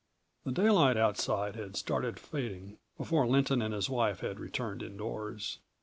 The daylight outside had started fading before Lynton and his wife had returned indoors.